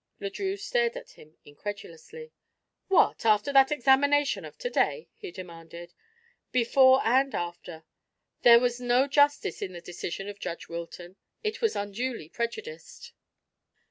Le Drieux stared at him incredulously. "What, after that examination of to day?" he demanded. "Before and after. There was no justice in the decision of Judge Wilton; he was unduly prejudiced."